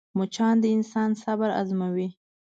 مچان د انسان صبر ازموي